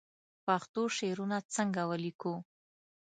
پښتو شعرونه څنګه ولیکو